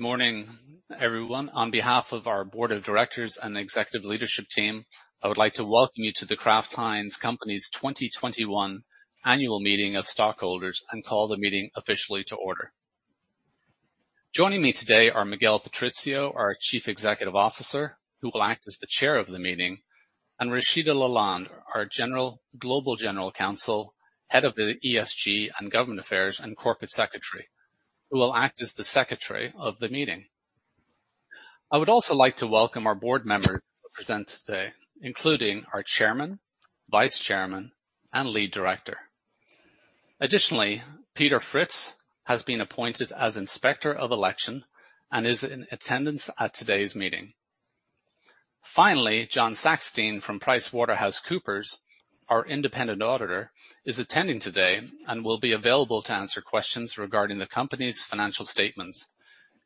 Good morning, everyone. On behalf of our board of directors and executive leadership team, I would like to welcome you to The Kraft Heinz Company's 2021 Annual Meeting of Stockholders, and call the meeting officially to order. Joining me today are Miguel Patricio, our Chief Executive Officer, who will act as the Chair of the meeting, and Rashida La Lande, our Global General Counsel, Head of ESG and Government Affairs, and Corporate Secretary, who will act as the Secretary of the meeting. I would also like to welcome our board members who are present today, including our Chairman, Vice Chairman, and Lead Director. Additionally, Peter Fritz has been appointed as Inspector of Election and is in attendance at today's meeting. Finally, John Sackstein from PricewaterhouseCoopers, our independent auditor, is attending today and will be available to answer questions regarding the company's financial statements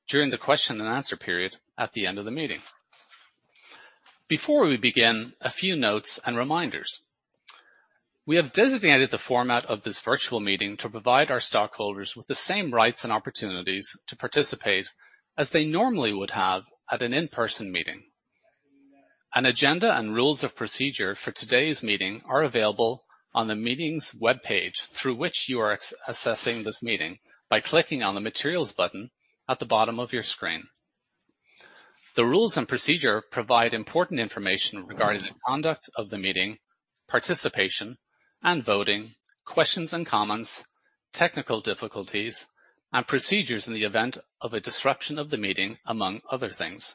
during the question and answer period at the end of the meeting. Before we begin, a few notes and reminders. We have designated the format of this virtual meeting to provide our stockholders with the same rights and opportunities to participate as they normally would have at an in-person meeting. An agenda and rules of procedure for today's meeting are available on the meetings webpage through which you are accessing this meeting by clicking on the materials button at the bottom of your screen. The rules and procedure provide important information regarding the conduct of the meeting, participation and voting, questions and comments, technical difficulties, and procedures in the event of a disruption of the meeting, among other things.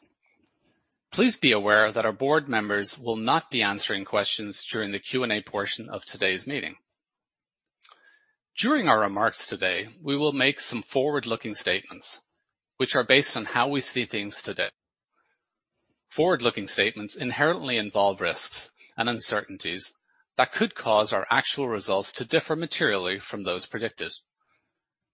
Please be aware that our board members will not be answering questions during the Q&A portion of today's meeting. During our remarks today, we will make some forward-looking statements, which are based on how we see things today. Forward-looking statements inherently involve risks and uncertainties that could cause our actual results to differ materially from those predicted.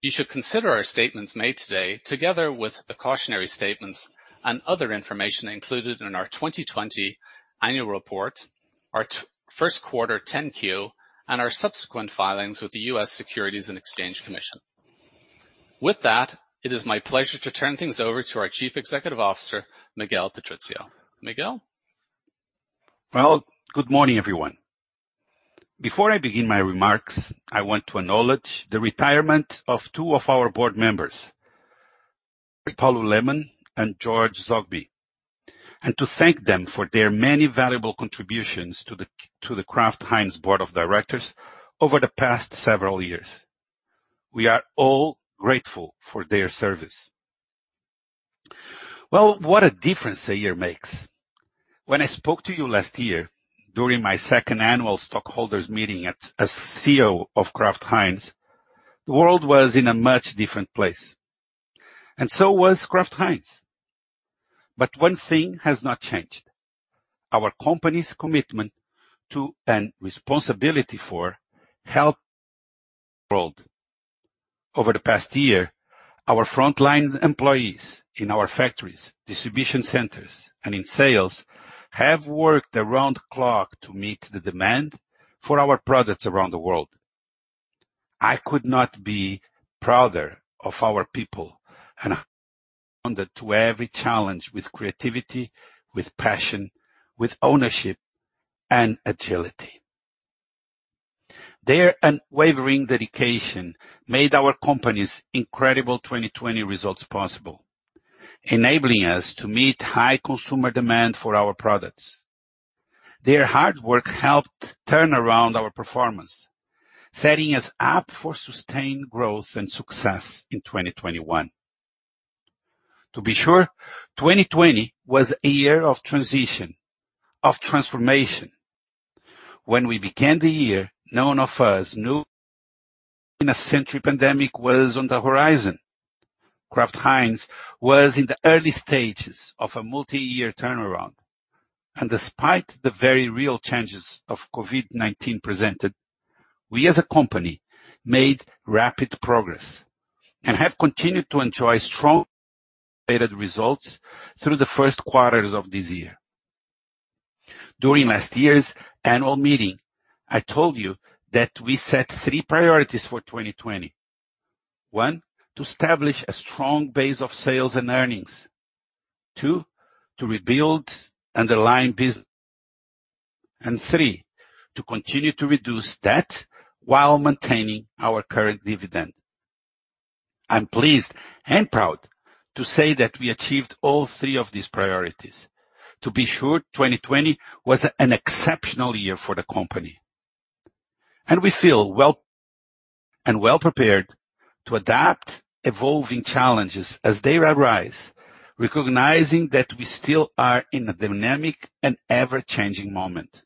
You should consider our statements made today, together with the cautionary statements and other information included in our 2020 annual report, our first quarter 10-Q, and our subsequent filings with the U.S. Securities and Exchange Commission. With that, it is my pleasure to turn things over to our Chief Executive Officer, Miguel Patricio. Miguel? Good morning, everyone. Before I begin my remarks, I want to acknowledge the retirement of two of our board members, Jorge Paulo Lemann and George Zoghbi, and to thank them for their many valuable contributions to the Kraft Heinz Board of Directors over the past several years. We are all grateful for their service. What a difference a year makes. When I spoke to you last year during my second annual stockholders meeting as CEO of Kraft Heinz, the world was in a much different place, and so was Kraft Heinz. One thing has not changed: our company's commitment to, and responsibility for, health of the world. Over the past year, our frontline employees in our factories, distribution centers, and in sales have worked around the clock to meet the demand for our products around the world. I could not be prouder of our people and how they responded to every challenge with creativity, with passion, with ownership and agility. Their unwavering dedication made our company's incredible 2020 results possible, enabling us to meet high consumer demand for our products. Their hard work helped turn around our performance, setting us up for sustained growth and success in 2021. To be sure, 2020 was a year of transition, of transformation. When we began the year, none of us knew a century pandemic was on the horizon. Kraft Heinz was in the early stages of a multi-year turnaround, and despite the very real challenges of COVID-19 presented, we as a company made rapid progress and have continued to enjoy strong operating results through the first quarters of this year. During last year's annual meeting, I told you that we set three priorities for 2020. One, to establish a strong base of sales and earnings. Two, to rebuild underlying business. Three, to continue to reduce debt while maintaining our current dividend. I'm pleased and proud to say that we achieved all three of these priorities. To be sure, 2020 was an exceptional year for the company, and we feel well-prepared to adapt evolving challenges as they arise, recognizing that we still are in a dynamic and ever-changing moment.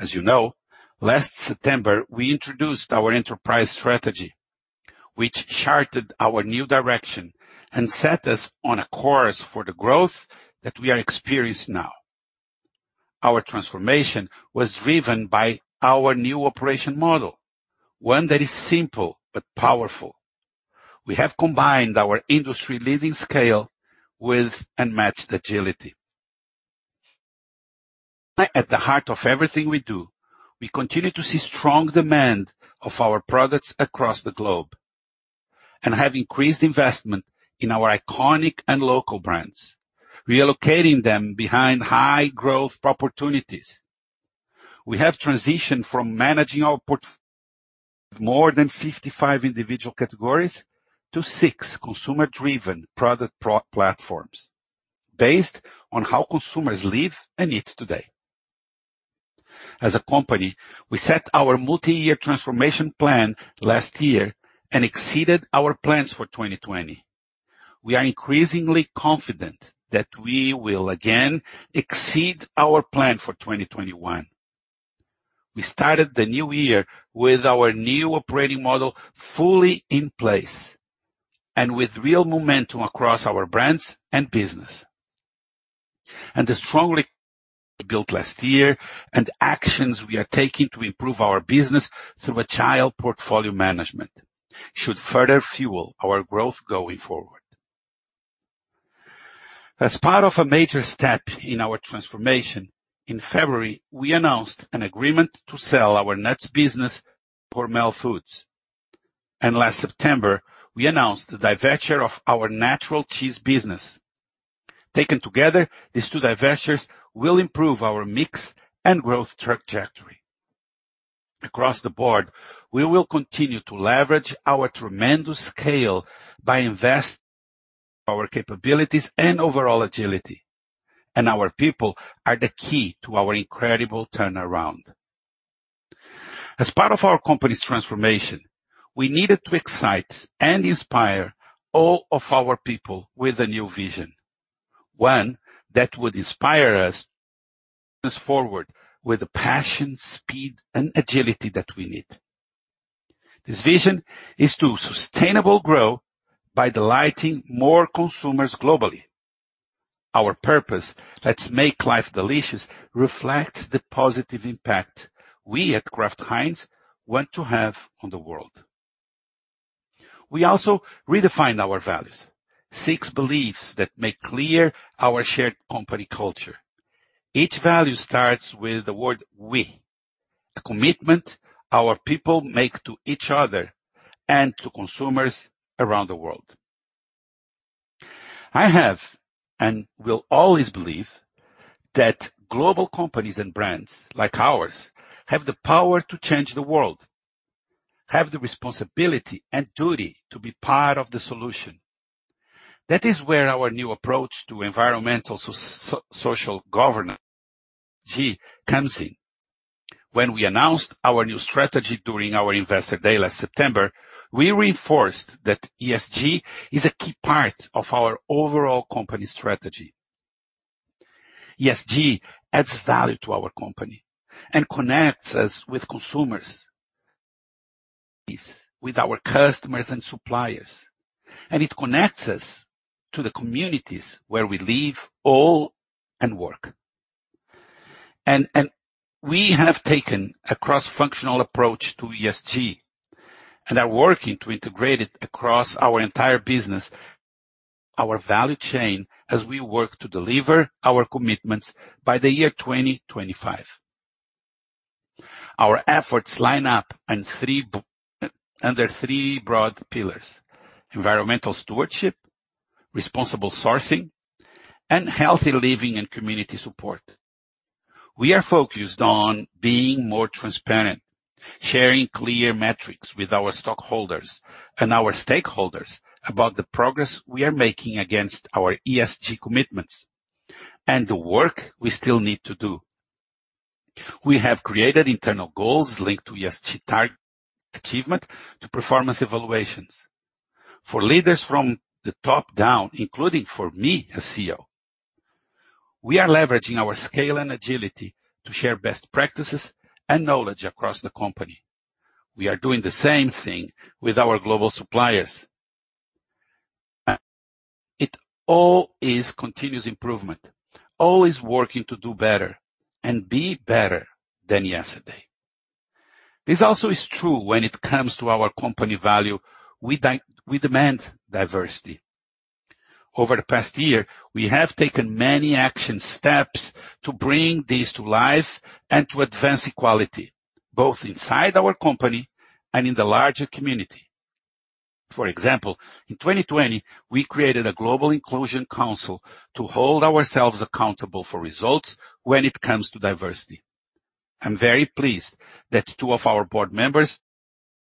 As you know, last September, we introduced our enterprise strategy, which charted our new direction and set us on a course for the growth that we are experiencing now. Our transformation was driven by our new operation model, one that is simple but powerful. We have combined our industry-leading scale with unmatched agility. At the heart of everything we do, we continue to see strong demand of our products across the globe, and have increased investment in our iconic and local brands, relocating them behind high growth opportunities. We have transitioned from managing our more than 55 individual categories to six consumer-driven product platforms based on how consumers live and eat today. As a company, we set our multi-year transformation plan last year and exceeded our plans for 2020. We are increasingly confident that we will again exceed our plan for 2021. We started the new year with our new operating model fully in place, and with real momentum across our brands and business. The strong built last year and actions we are taking to improve our business through agile portfolio management should further fuel our growth going forward. As part of a major step in our transformation, in February, we announced an agreement to sell our nuts business, Hormel Foods. Last September, we announced the divestiture of our natural cheese business. Taken together, these two divestitures will improve our mix and growth trajectory. Across the board, we will continue to leverage our tremendous scale by invest our capabilities and overall agility. Our people are the key to our incredible turnaround. As part of our company's transformation, we needed to excite and inspire all of our people with a new vision, one that would inspire us forward with the passion, speed, and agility that we need. This vision is to sustainable grow by delighting more consumers globally. Our purpose, "Let's make life delicious," reflects the positive impact we at Kraft Heinz want to have on the world. We also redefined our values, six beliefs that make clear our shared company culture. Each value starts with the word "we," a commitment our people make to each other and to consumers around the world. I have and will always believe that global companies and brands like ours have the power to change the world, have the responsibility and duty to be part of the solution. That is where our new approach to environmental social governance, ESG, comes in. When we announced our new strategy during our Investor Day last September, we reinforced that ESG is a key part of our overall company strategy. ESG adds value to our company and connects us with consumers, with our customers and suppliers, and it connects us to the communities where we live all and work. We have taken a cross-functional approach to ESG and are working to integrate it across our entire business, our value chain, as we work to deliver our commitments by the year 2025. Our efforts line up under three broad pillars: environmental stewardship, responsible sourcing, and healthy living and community support. We are focused on being more transparent, sharing clear metrics with our stockholders and our stakeholders about the progress we are making against our ESG commitments and the work we still need to do. We have created internal goals linked to ESG target achievement to performance evaluations for leaders from the top down, including for me as CEO. We are leveraging our scale and agility to share best practices and knowledge across the company. We are doing the same thing with our global suppliers. It all is continuous improvement, always working to do better and be better than yesterday. This also is true when it comes to our company value, we demand diversity. Over the past year, we have taken many action steps to bring this to life and to advance equality both inside our company and in the larger community. For example, in 2020, we created a global inclusion council to hold ourselves accountable for results when it comes to diversity. I'm very pleased that two of our board members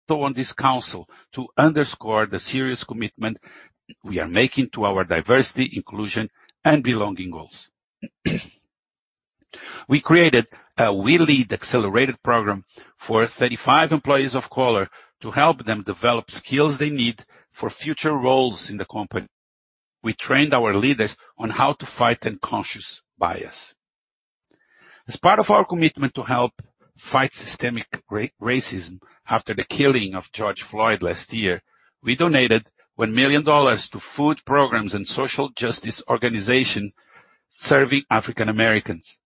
sit on this council to underscore the serious commitment we are making to our diversity, inclusion, and belonging goals. We created a WeLead Accelerator program for 35 employees of color to help them develop skills they need for future roles in the company. We trained our leaders on how to fight unconscious bias. As part of our commitment to help fight systemic racism after the killing of George Floyd last year, we donated $1 million to food programs and social justice organizations serving African Americans.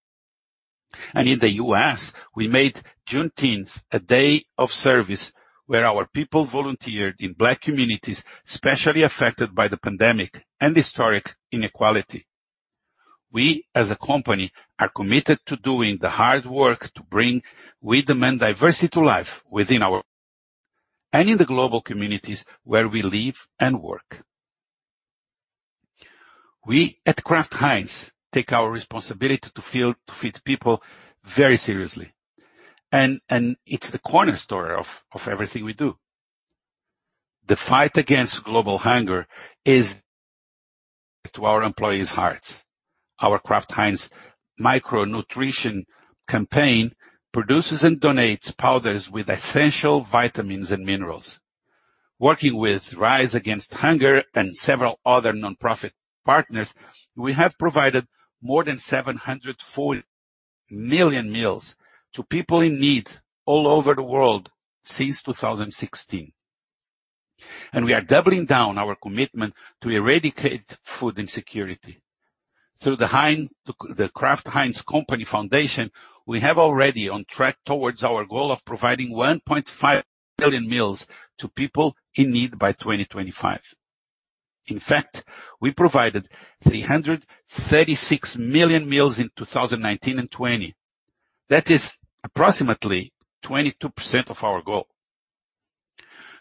In the U.S., we made Juneteenth a day of service where our people volunteered in Black communities, especially affected by the pandemic and historic inequality. We, as a company, are committed to doing the hard work to bring with demand diversity to life within our and in the global communities where we live and work. We at Kraft Heinz take our responsibility to feed people very seriously, and it's the cornerstone of everything we do. The fight against global hunger is to our employees' hearts. Our Kraft Heinz micro-nutrition campaign produces and donates powders with essential vitamins and minerals. Working with Rise Against Hunger and several other nonprofit partners, we have provided more than 740 million meals to people in need all over the world since 2016. We are doubling down our commitment to eradicate food insecurity. Through The Kraft Heinz Company Foundation, we have already on track towards our goal of providing 1.5 billion meals to people in need by 2025. In fact, we provided 336 million meals in 2019 and '20. That is approximately 22% of our goal.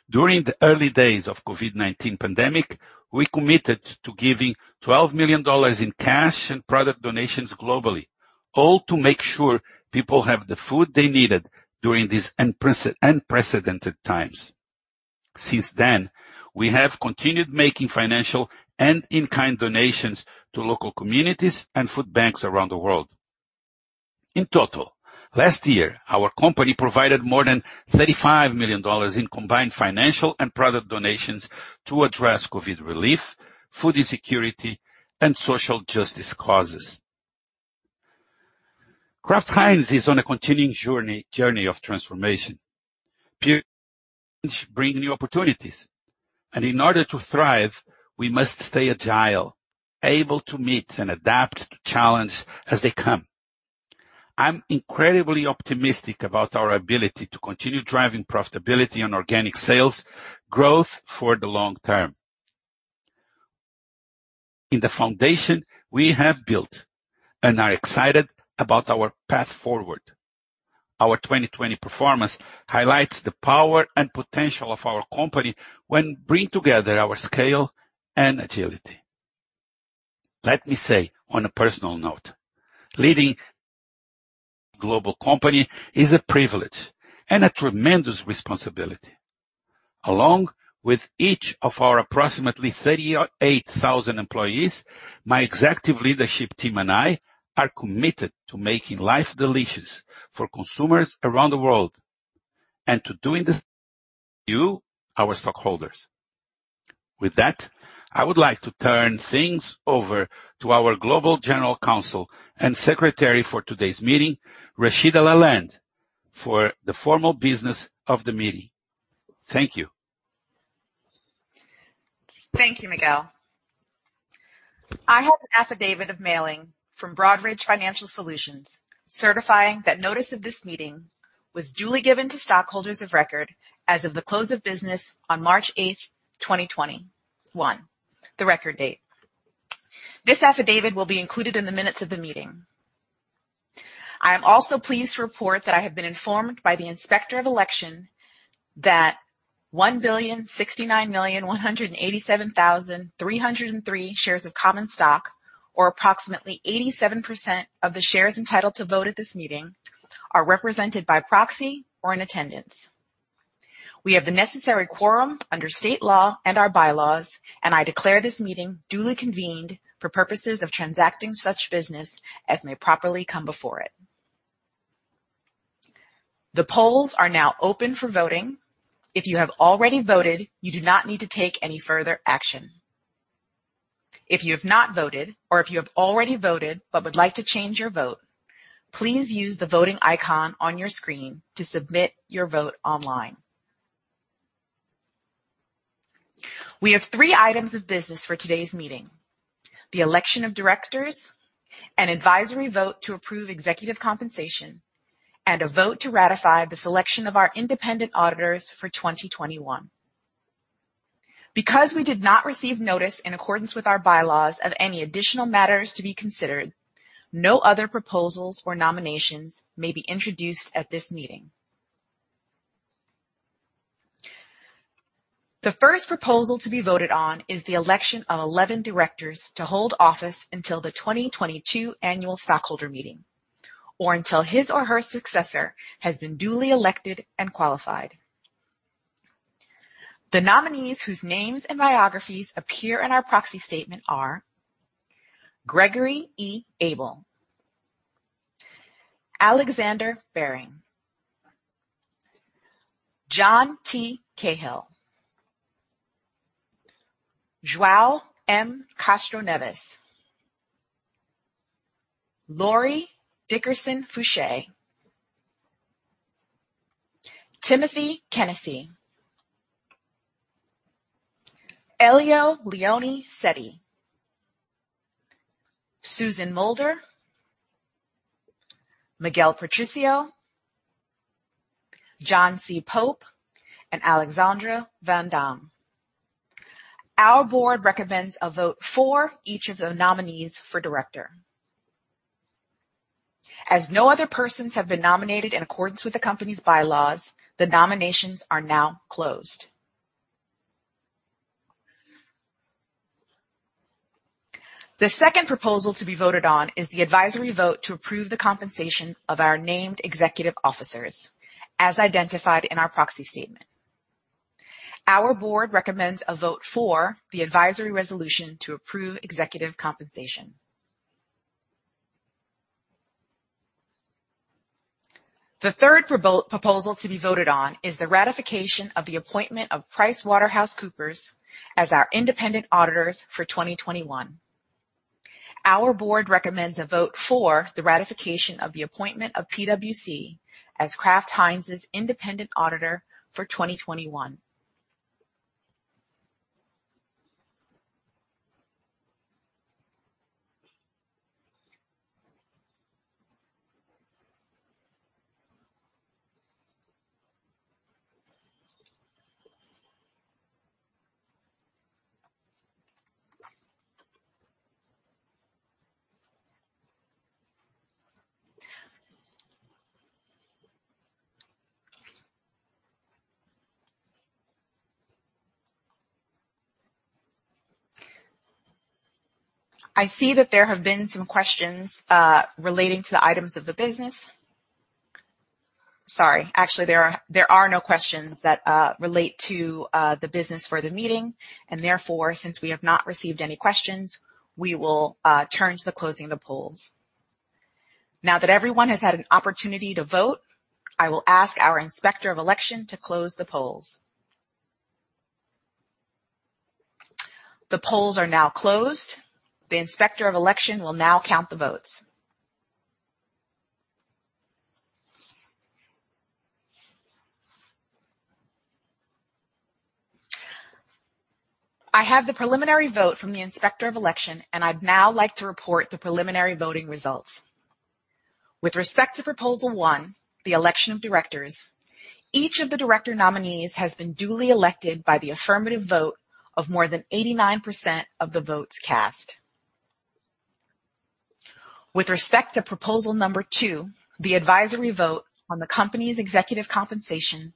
During the early days of COVID-19 pandemic, we committed to giving $12 million in cash and product donations globally, all to make sure people have the food they needed during these unprecedented times. Since then, we have continued making financial and in-kind donations to local communities and food banks around the world. In total, last year, our company provided more than $35 million in combined financial and product donations to address COVID relief, food insecurity, and social justice causes. Kraft Heinz is on a continuing journey of transformation. Bring new opportunities. In order to thrive, we must stay agile, able to meet and adapt to challenge as they come. I'm incredibly optimistic about our ability to continue driving profitability on organic sales growth for the long term. In the foundation we have built and are excited about our path forward. Our 2020 performance highlights the power and potential of our company when bring together our scale and agility. Let me say, on a personal note, leading global company is a privilege and a tremendous responsibility. Along with each of our approximately 38,000 employees, my executive leadership team and I are committed to making life delicious for consumers around the world, and to doing this you, our stockholders. With that, I would like to turn things over to our Global General Counsel and Secretary for today's meeting, Rashida La Lande, for the formal business of the meeting. Thank you. Thank you, Miguel. I have an affidavit of mailing from Broadridge Financial Solutions certifying that notice of this meeting was duly given to stockholders of record as of the close of business on March 8th, 2021, the record date. This affidavit will be included in the minutes of the meeting. I am also pleased to report that I have been informed by the Inspector of Election that 1,069,187,303 shares of common stock, or approximately 87% of the shares entitled to vote at this meeting, are represented by proxy or in attendance. We have the necessary quorum under state law and our bylaws, and I declare this meeting duly convened for purposes of transacting such business as may properly come before it. The polls are now open for voting. If you have already voted, you do not need to take any further action. If you have not voted or if you have already voted but would like to change your vote, please use the voting icon on your screen to submit your vote online. We have three items of business for today's meeting: the election of directors, an advisory vote to approve executive compensation, and a vote to ratify the selection of our independent auditors for 2021. Because we did not receive notice in accordance with our bylaws of any additional matters to be considered, no other proposals or nominations may be introduced at this meeting. The first proposal to be voted on is the election of 11 directors to hold office until the 2022 annual stockholder meeting or until his or her successor has been duly elected and qualified. The nominees whose names and biographies appear in our proxy statement are Gregory E. Abel, Alexandre Behring, John T. Cahill, João M. Castro Neves, Lori Dickerson Fouché, Timothy Kenesey, Elio Leoni-Sceti, Susan Mulder, Miguel Patricio, John C. Pope, and Alexandre Van Damme. Our board recommends a vote for each of the nominees for director. As no other persons have been nominated in accordance with the company's bylaws, the nominations are now closed. The second proposal to be voted on is the advisory vote to approve the compensation of our named executive officers as identified in our proxy statement. Our board recommends a vote for the advisory resolution to approve executive compensation. The third proposal to be voted on is the ratification of the appointment of PricewaterhouseCoopers as our independent auditors for 2021. Our board recommends a vote for the ratification of the appointment of PwC as Kraft Heinz's independent auditor for 2021. I see that there have been some questions relating to the items of the business. Sorry, actually, there are no questions that relate to the business for the meeting. Therefore, since we have not received any questions, we will turn to the closing of the polls. Now that everyone has had an opportunity to vote, I will ask our Inspector of Election to close the polls. The polls are now closed. The Inspector of Election will now count the votes. I have the preliminary vote from the Inspector of Election. I'd now like to report the preliminary voting results. With respect to Proposal one, the election of directors, each of the director nominees has been duly elected by the affirmative vote of more than 89% of the votes cast. With respect to Proposal Number two, the advisory vote on the company's executive compensation,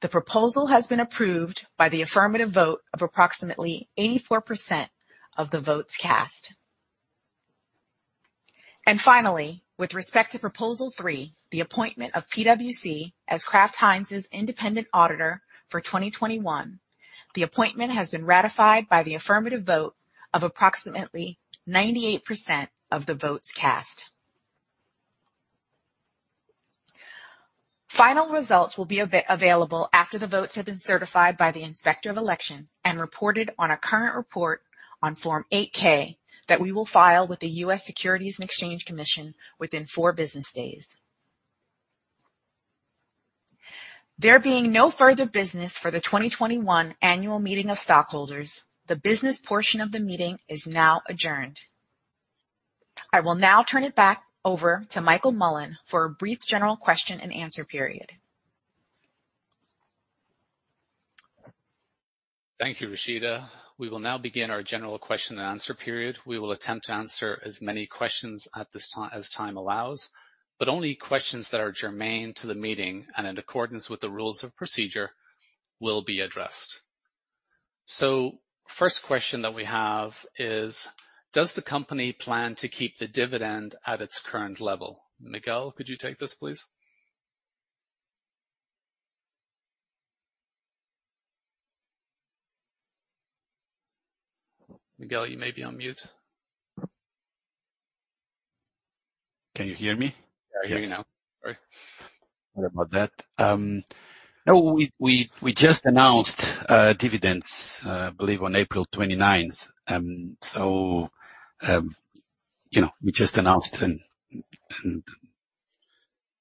the proposal has been approved by the affirmative vote of approximately 84% of the votes cast. Finally, with respect to Proposal three, the appointment of PwC as Kraft Heinz's independent auditor for 2021, the appointment has been ratified by the affirmative vote of approximately 98% of the votes cast. Final results will be available after the votes have been certified by the Inspector of Election and reported on a current report on Form 8-K that we will file with the U.S. Securities and Exchange Commission within four business days. There being no further business for the 2021 Annual Meeting of Stockholders, the business portion of the meeting is now adjourned. I will now turn it back over to Michael Mullen for a brief general question and answer period. Thank you, Rashida. We will now begin our general question and answer period. We will attempt to answer as many questions as time allows, but only questions that are germane to the meeting and in accordance with the rules of procedure will be addressed. First question that we have is, does the company plan to keep the dividend at its current level? Miguel, could you take this, please? Miguel, you may be on mute. Can you hear me? Yes. I hear you now. Sorry about that. We just announced dividends, I believe, on April 29th. We just announced,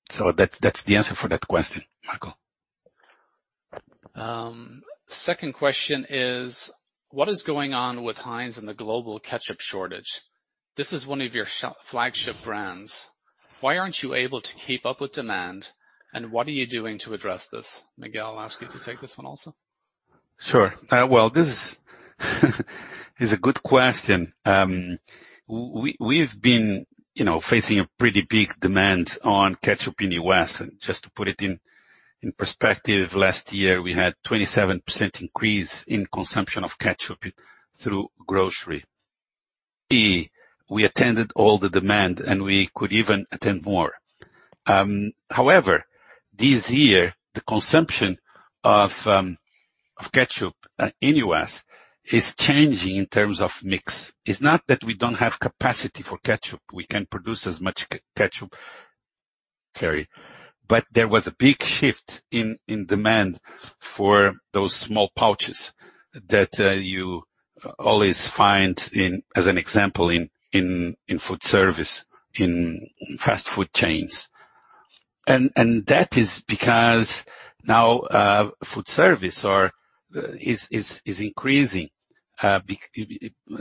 that's the answer for that question, Michael. Second question is, what is going on with Heinz and the global ketchup shortage? This is one of your flagship brands. Why aren't you able to keep up with demand, and what are you doing to address this? Miguel, I'll ask you to take this one also. Sure. Well, this is a good question. We've been facing a pretty big demand on ketchup in the U.S. Just to put it in perspective, last year, we had 27% increase in consumption of ketchup through grocery. We attended all the demand, and we could even attend more. However, this year, the consumption of ketchup in U.S. is changing in terms of mix. It's not that we don't have capacity for ketchup. We can produce as much ketchup. Sorry. There was a big shift in demand for those small pouches that you always find in, as an example, in food service, in fast food chains. That is because now food service is increasing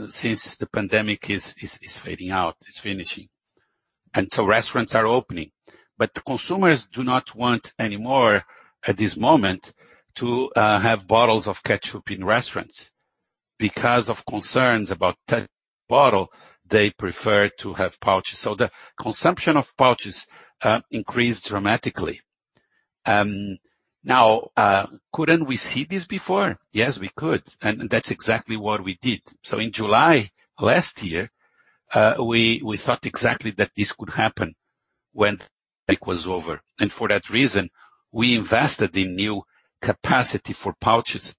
since the pandemic is fading out, it's finishing. Restaurants are opening. Consumers do not want anymore, at this moment, to have bottles of ketchup in restaurants. Because of concerns about that bottle, they prefer to have pouches. The consumption of pouches increased dramatically. Now, couldn't we see this before? Yes we could, and that's exactly what we did. In July last year, we thought exactly that this could happen when the break was over. For that reason, we invested in new capacity for pouches.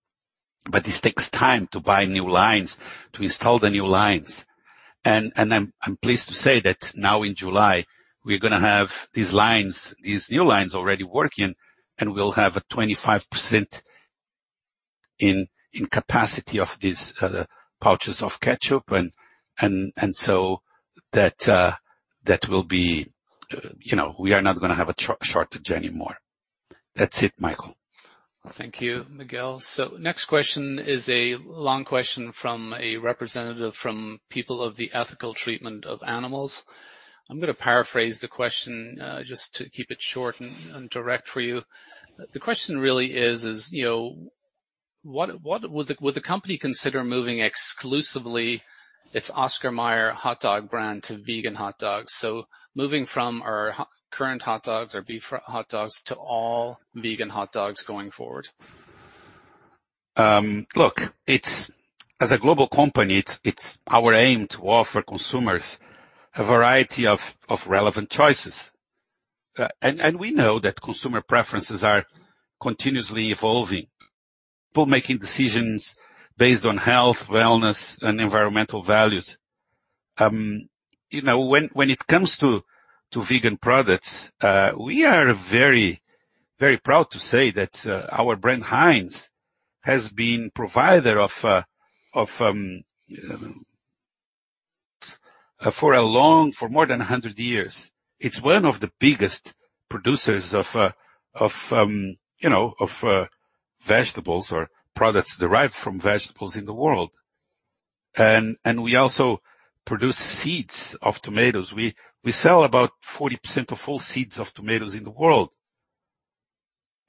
This takes time to buy new lines, to install the new lines. I'm pleased to say that now in July, we're going to have these new lines already working, and we'll have a 25% in capacity of these pouches of ketchup. We are not going to have a shortage anymore. That's it, Michael. Thank you, Miguel. Next question is a long question from a representative from People for the Ethical Treatment of Animals. I'm going to paraphrase the question, just to keep it short and direct for you. The question really is, would the company consider moving exclusively its Oscar Mayer hot dog brand to vegan hot dogs? Moving from our current hot dogs, our beef hot dogs, to all vegan hot dogs going forward. Look, as a global company, it's our aim to offer consumers a variety of relevant choices. We know that consumer preferences are continuously evolving for making decisions based on health, wellness, and environmental values. When it comes to vegan products, we are very proud to say that our brand, Heinz, has been provider of for more than 100 years. It's one of the biggest producers of vegetables or products derived from vegetables in the world. We also produce seeds of tomatoes. We sell about 40% of all seeds of tomatoes in the world.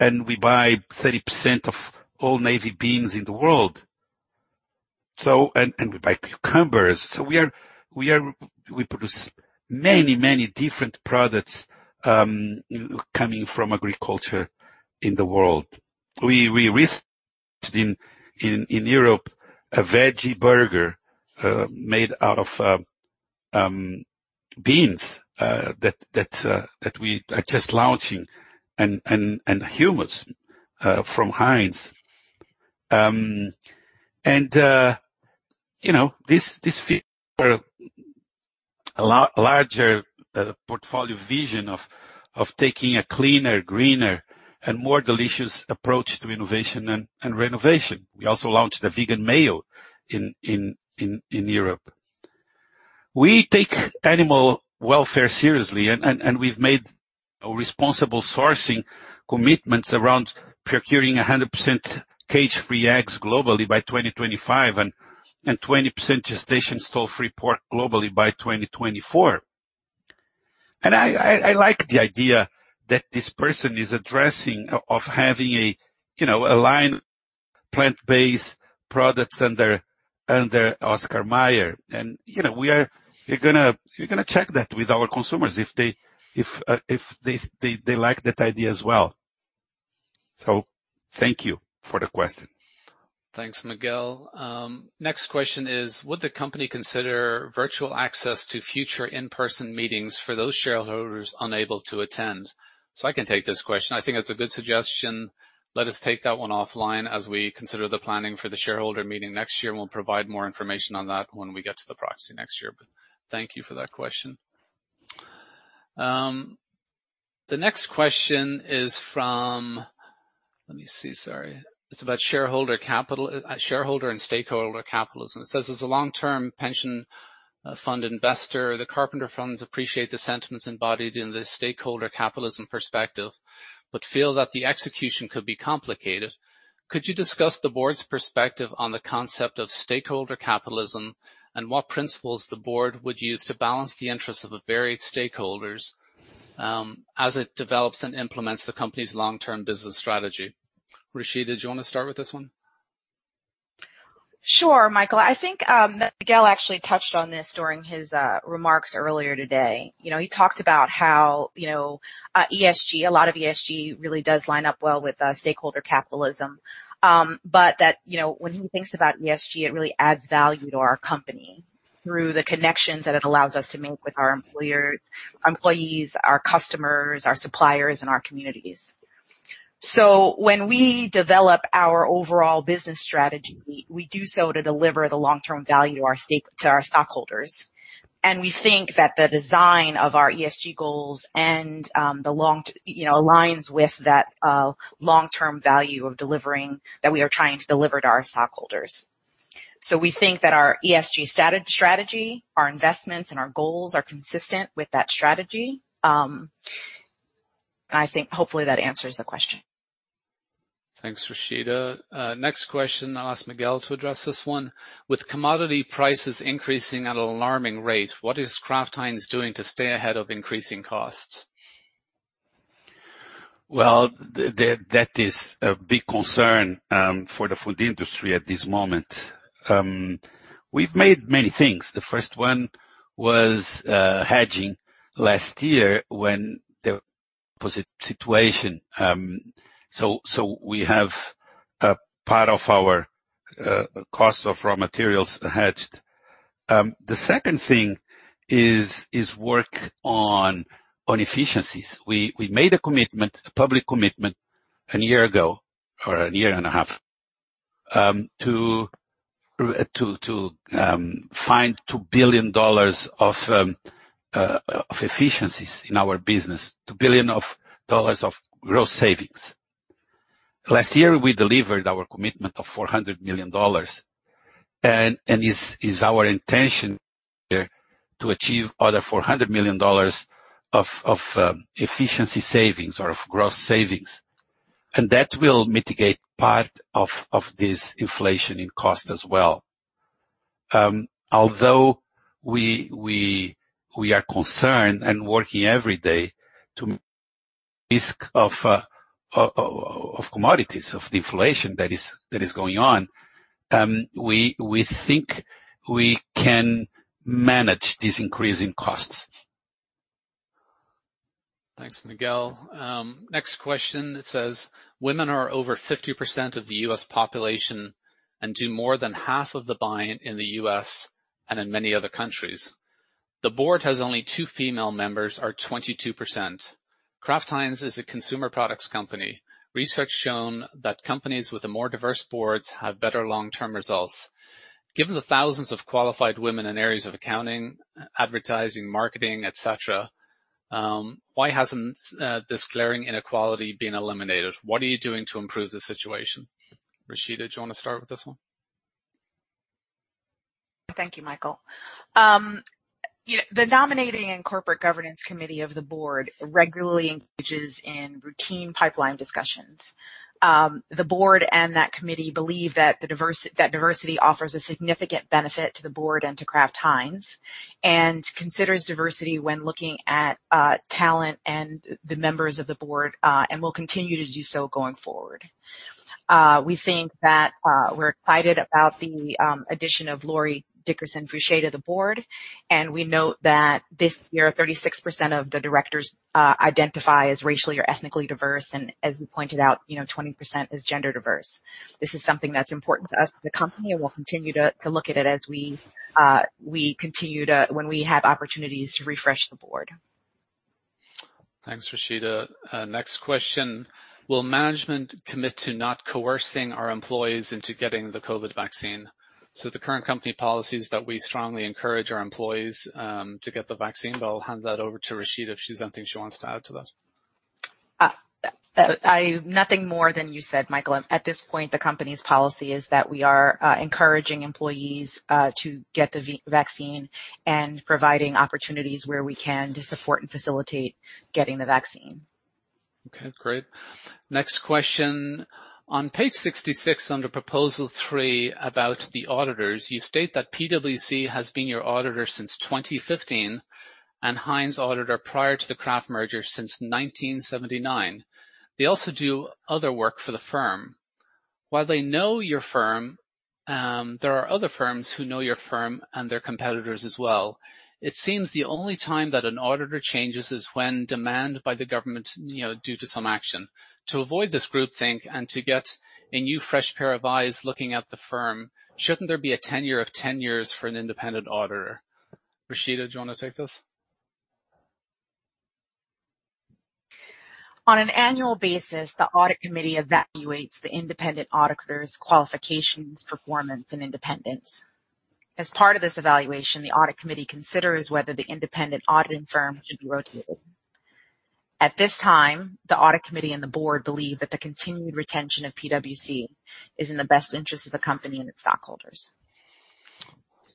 We buy 30% of all navy beans in the world. We buy cucumbers. We produce many different products coming from agriculture in the world. We recently, in Europe, a veggie burger made out of beans that we are just launching and hummus from Heinz. This fits our larger portfolio vision of taking a cleaner, greener, and more delicious approach to innovation and renovation. We also launched a vegan mayo in Europe. We take animal welfare seriously, and we've made responsible sourcing commitments around procuring 100% cage-free eggs globally by 2025 and 20% gestation stall free pork globally by 2024. I like the idea that this person is addressing of having a line plant-based products under Oscar Mayer. We are going to check that with our consumers if they like that idea as well. Thank you for the question. Thanks, Miguel. Next question is, "Would the company consider virtual access to future in-person meetings for those shareholders unable to attend?" I can take this question. I think that's a good suggestion. Let us take that one offline as we consider the planning for the shareholder meeting next year, and we'll provide more information on that when we get to the proxy next year. Thank you for that question. The next question is from Let me see, sorry. It's about shareholder and stakeholder capitalism. It says, "As a long-term pension fund investor, the Carpenter Funds appreciate the sentiments embodied in the stakeholder capitalism perspective, but feel that the execution could be complicated. Could you discuss the board's perspective on the concept of stakeholder capitalism and what principles the board would use to balance the interests of the varied stakeholders as it develops and implements the company's long-term business strategy? Rashida, do you want to start with this one? Sure, Michael. I think that Miguel actually touched on this during his remarks earlier today. He talked about how a lot of ESG really does line up well with stakeholder capitalism. That when he thinks about ESG, it really adds value to our company through the connections that it allows us to make with our employees, our customers, our suppliers, and our communities. When we develop our overall business strategy, we do so to deliver the long-term value to our stockholders. We think that the design of our ESG goals aligns with that long-term value that we are trying to deliver to our stockholders. We think that our ESG strategy, our investments, and our goals are consistent with that strategy. I think hopefully that answers the question. Thanks, Rashida. Next question, I'll ask Miguel to address this one. With commodity prices increasing at an alarming rate, what is Kraft Heinz doing to stay ahead of increasing costs? Well, that is a big concern for the food industry at this moment. We've made many things. The first one was hedging last year when there was a situation. We have a part of our cost of raw materials hedged. The second thing is work on efficiencies. We made a commitment, a public commitment a year ago, or a year and a half, to find $2 billion of efficiencies in our business, $2 billion of gross savings. Last year, we delivered our commitment of $400 million, and it's our intention to achieve other $400 million of efficiency savings or of gross savings. That will mitigate part of this inflation in cost as well. Although we are concerned and working every day to risk of commodities, of the inflation that is going on, we think we can manage this increase in costs. Thanks, Miguel. Next question. It says: women are over 50% of the U.S. population and do more than half of the buying in the U.S. and in many other countries. The board has only two female members, or 22%. Kraft Heinz is a consumer products company. Research has shown that companies with the more diverse boards have better long-term results. Given the thousands of qualified women in areas of accounting, advertising, marketing, et cetera, why hasn't this glaring inequality been eliminated? What are you doing to improve the situation? Rashida, do you want to start with this one? Thank you, Michael. The nominating and corporate governance committee of the board regularly engages in routine pipeline discussions. The board and that committee believe that diversity offers a significant benefit to the board and to Kraft Heinz, and considers diversity when looking at talent and the members of the board, and will continue to do so going forward. We think that we're excited about the addition of Lori Dickerson Fouché to the board, and we note that this year, 36% of the directors identify as racially or ethnically diverse, and as you pointed out, 20% as gender diverse. This is something that's important to us, the company, and we'll continue to look at it when we have opportunities to refresh the board. Thanks, Rashida. Next question. Will management commit to not coercing our employees into getting the COVID vaccine? The current company policy is that we strongly encourage our employees to get the vaccine, but I'll hand that over to Rashida if she has anything she wants to add to that. Nothing more than you said, Michael. At this point, the company's policy is that we are encouraging employees to get the vaccine and providing opportunities where we can to support and facilitate getting the vaccine. Okay, great. Next question. On page 66 under proposal three about the auditors, you state that PwC has been your auditor since 2015, and Heinz auditor prior to the Kraft merger since 1979. They also do other work for the firm. While they know your firm, there are other firms who know your firm and their competitors as well. It seems the only time that an auditor changes is when demanded by the government due to some action. To avoid this groupthink and to get a new fresh pair of eyes looking at the firm, shouldn't there be a tenure of 10 years for an independent auditor? Rashida, do you want to take this? On an annual basis, the audit committee evaluates the independent auditor's qualifications, performance, and independence. As part of this evaluation, the audit committee considers whether the independent auditing firm should be rotated. At this time, the audit committee and the board believe that the continued retention of PwC is in the best interest of the company and its stockholders.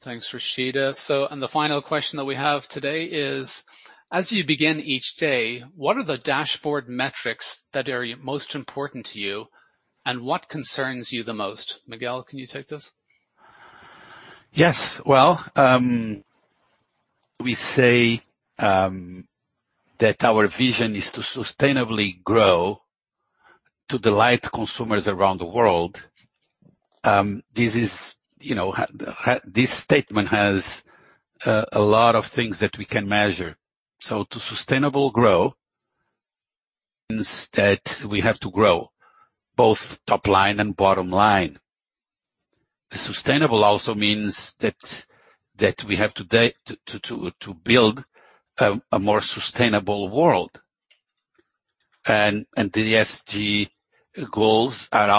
Thanks, Rashida La Lande. The final question that we have today is: as you begin each day, what are the dashboard metrics that are most important to you, and what concerns you the most? Miguel Patricio, can you take this? Yes. Well, we say that our vision is to sustainably grow to delight consumers around the world. This statement has a lot of things that we can measure. To sustainably grow means that we have to grow both top line and bottom line. Sustainable also means that we have to build a more sustainable world. The ESG goals can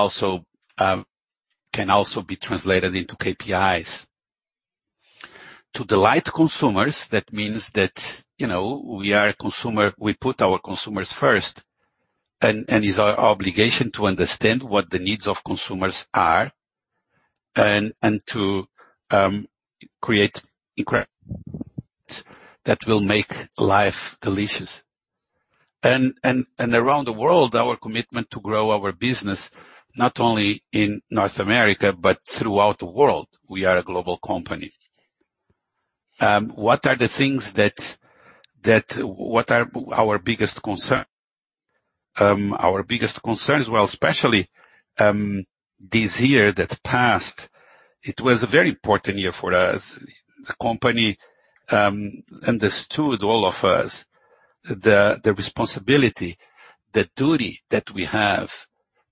also be translated into KPIs. To delight consumers, that means that we put our consumers first, and it's our obligation to understand what the needs of consumers are and to create that will make life delicious. Around the world, our commitment to grow our business, not only in North America, but throughout the world. We are a global company. What are our biggest concerns? Our biggest concerns, well, especially this year that passed, it was a very important year for us. The company understood, all of us, the responsibility, the duty that we have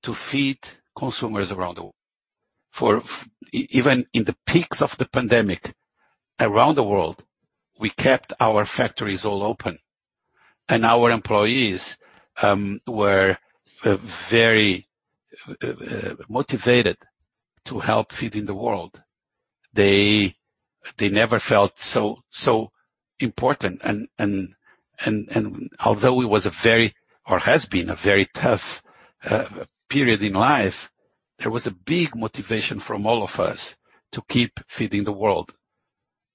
to feed consumers around the world. Even in the peaks of the pandemic around the world, we kept our factories all open, and our employees were very motivated to help feeding the world. They never felt so important and although it was a very, or has been a very tough period in life, there was a big motivation from all of us to keep feeding the world.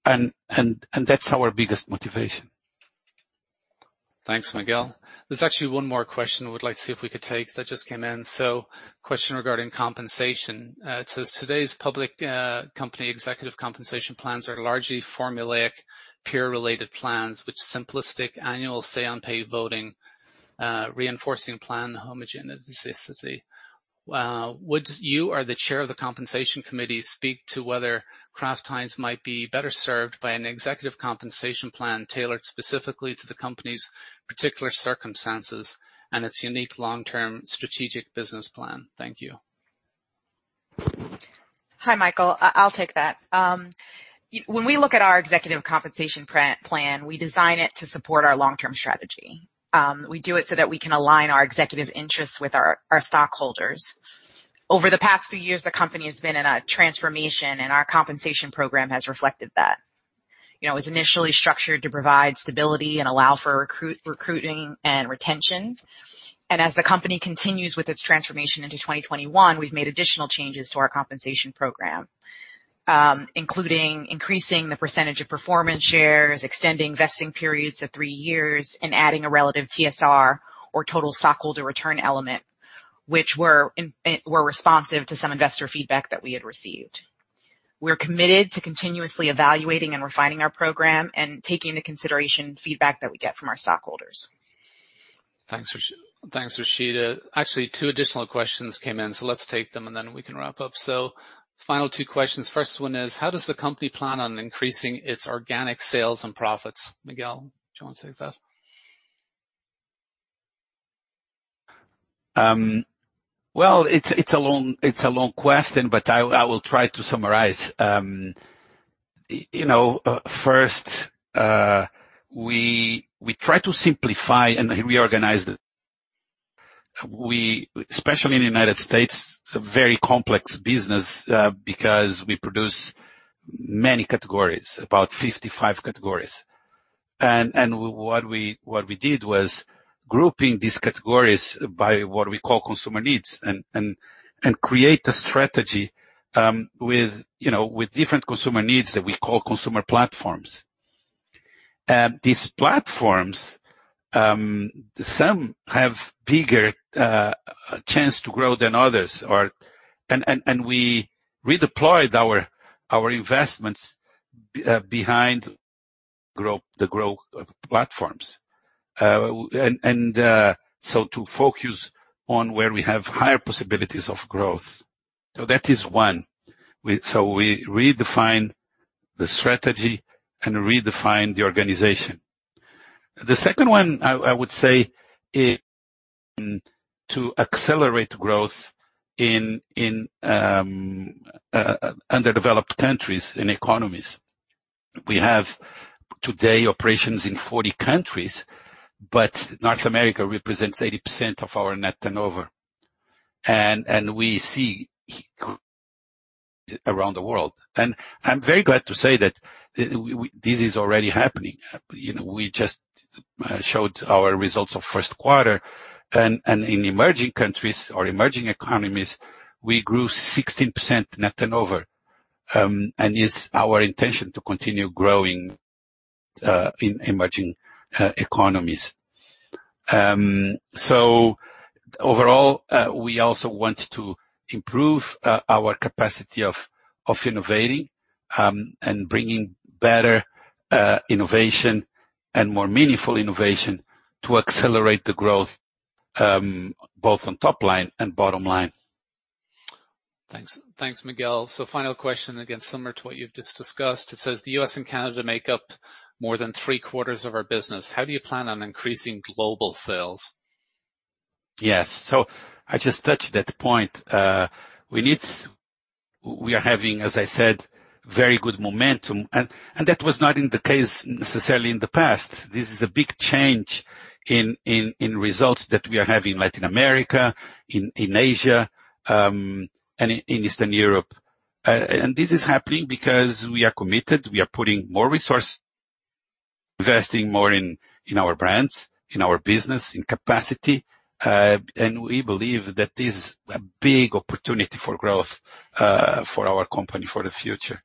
That's our biggest motivation. Thanks, Miguel. There's actually one more question I would like to see if we could take that just came in. Question regarding compensation. It says, "Today's public company executive compensation plans are largely formulaic, peer-related plans with simplistic annual say on pay voting, reinforcing plan homogeneity. Would you or the chair of the compensation committee speak to whether Kraft Heinz might be better served by an executive compensation plan tailored specifically to the company's particular circumstances and its unique long-term strategic business plan? Thank you. Hi, Michael. I'll take that. When we look at our executive compensation plan, we design it to support our long-term strategy. We do it so that we can align our executive interests with our stockholders. Over the past few years, the company has been in a transformation, and our compensation program has reflected that. It was initially structured to provide stability and allow for recruiting and retention. As the company continues with its transformation into 2021, we've made additional changes to our compensation program, including increasing the percentage of performance shares, extending vesting periods to three years, and adding a relative TSR, or total stockholder return element, which were responsive to some investor feedback that we had received. We're committed to continuously evaluating and refining our program and taking into consideration feedback that we get from our stockholders. Thanks, Rashida. Actually, two additional questions came in, so let's take them, and then we can wrap up. Final two questions. First one is, how does the company plan on increasing its organic sales and profits? Miguel, do you want to take that? Well, it's a long question, but I will try to summarize. First, we try to simplify and reorganize it. Especially in the U.S. it's a very complex business because we produce many categories, about 55 categories. What we did was grouping these categories by what we call consumer needs and create a strategy with different consumer needs that we call consumer platforms. These platforms, some have bigger chance to grow than others. We redeployed our investments behind the growth of platforms. To focus on where we have higher possibilities of growth. That is one. We redefined the strategy and redefined the organization. The second one, I would say, to accelerate growth in underdeveloped countries, in economies. We have today operations in 40 countries, but North America represents 80% of our net turnover. We see around the world. I'm very glad to say that this is already happening. We just showed our results of first quarter, and in emerging countries or emerging economies, we grew 16% net turnover. It's our intention to continue growing in emerging economies. Overall, we also want to improve our capacity of innovating and bringing better innovation and more meaningful innovation to accelerate the growth, both on top line and bottom line. Thanks, Miguel. Final question, again, similar to what you've just discussed. It says, "The U.S. and Canada make up more than three-quarters of our business. How do you plan on increasing global sales? Yes. I just touched that point. We are having, as I said, very good momentum, and that was not the case necessarily in the past. This is a big change in results that we are having Latin America, in Asia, and in Eastern Europe. This is happening because we are committed. We are putting more resource, investing more in our brands, in our business, in capacity. We believe that this is a big opportunity for growth for our company for the future.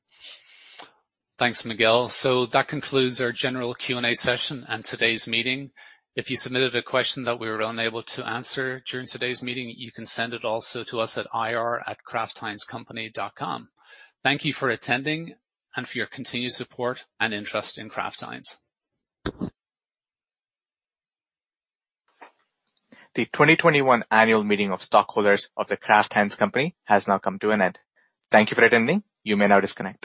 Thanks, Miguel. That concludes our general Q&A session and today's meeting. If you submitted a question that we were unable to answer during today's meeting, you can send it also to us at ir@kraftheinzcompany.com. Thank you for attending and for your continued support and interest in Kraft Heinz. The 2021 annual meeting of stockholders of The Kraft Heinz Company has now come to an end. Thank you for attending. You may now disconnect.